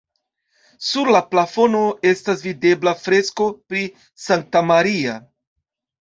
Sur la plafono estas videbla fresko pri Sankta Maria.